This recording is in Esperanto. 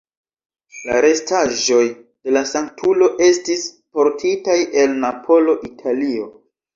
La restaĵoj de la sanktulo estis portitaj el Napolo, Italio.